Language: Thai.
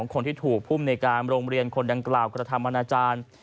คนที่ถูกพุ่มในการโรงเรียนคนดังกล่าวกฎธรรมอาจารย์